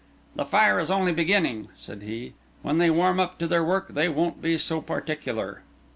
"The fire is only beginning," said he. "When they warm up to their work, they won't be so particular."